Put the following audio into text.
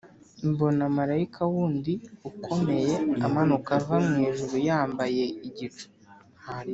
Mbona marayika wundi ukomeye amanuka ava mu ijuru yambaye igicu,